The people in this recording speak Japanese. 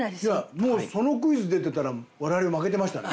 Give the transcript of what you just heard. もうそのクイズ出てたら我々負けてましたね。